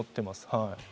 はい。